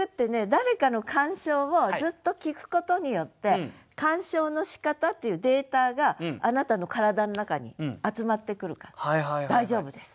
誰かの鑑賞をずっと聞くことによって鑑賞のしかたっていうデータがあなたの体の中に集まってくるから大丈夫です。